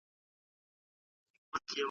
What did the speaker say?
یو ستا سره مي مینه ولي ورځ په ورځ زیاتېږي .